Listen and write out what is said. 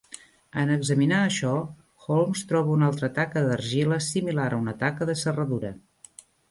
En examinar això, Holmes troba una altra taca d'argila similar a una taca de serradura.